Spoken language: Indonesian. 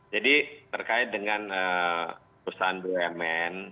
jadi terkait dengan perusahaan bumn